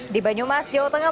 di banyumas jawa tenggara